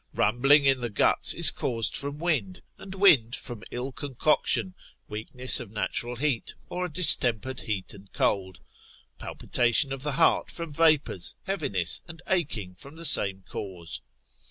26. Rumbling in the guts is caused from wind, and wind from ill concoction, weakness of natural heat, or a distempered heat and cold; Palpitation of the heart from vapours, heaviness and aching from the same cause.